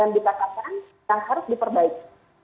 yang dikatakan yang harus diperbaiki